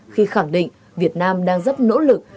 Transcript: khi khẳng định việt nam đang rất nỗ lực